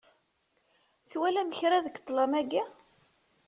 Twalam kra deg ṭlam-agi?